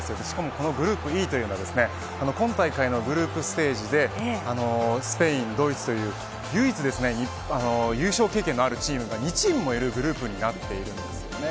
しかもグループＥというのは今大会のグループステージでスペイン、ドイツという、唯一優勝経験のあるチームが２チームもいるグループになってるんです。